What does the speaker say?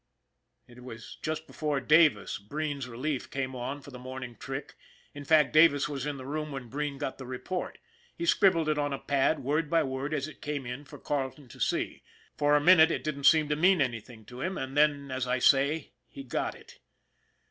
It was just before Davis, Breen's relief, came on for the morning trick, in fact Davis was in the room, when Breen got the report. He scribbled it on a pad, word by word as it came in, for Carleton to see. For a minute it didn't seem to mean anything to him, and then, as I say, he got it.